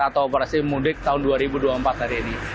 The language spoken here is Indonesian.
atau operasi mudik tahun dua ribu dua puluh empat hari ini